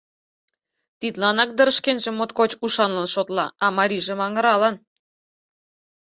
Тидланак дыр шкенжым моткочак ушанлан шотла, а марийжым — аҥыралан.